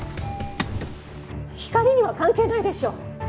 ひかりには関係ないでしょう。